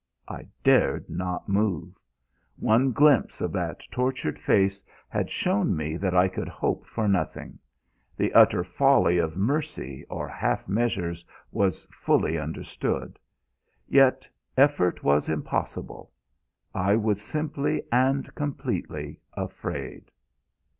I dared not move. One glimpse of that tortured face had shown me that I could hope for nothing; the utter folly of mercy or half measures was fully understood. Yet, effort was impossible. I was simply and completely afraid.